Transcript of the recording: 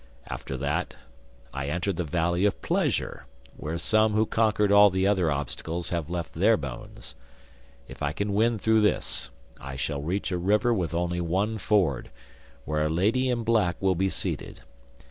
After that, I enter the valley of pleasure, where some who conquered all the other obstacles have left their bones. If I can win through this, I shall reach a river with only one ford, where a lady in black will be seated.